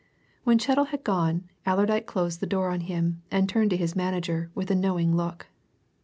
When Chettle had gone, Allerdyke closed the door on him and turned to his manager with a knowing look.